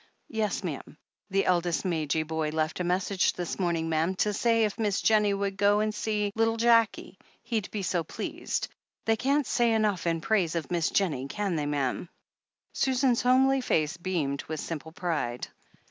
"Yes, ma'am. The eldest Madge boy left a message this morning, ma'am, to say if Miss Jennie would go and see little Jackie, he'd be so pleased. They can't say enough in praise of Miss Jennie, can they, ma'am ?" Susan's homely face beamed with simple pride.